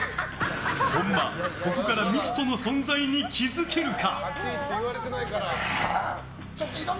本間、ここからミストの存在に気づけるか？